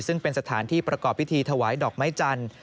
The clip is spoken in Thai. ซึ่งเป็นสถานที่ประกอบพิธีถวายดอกไม้จันทร์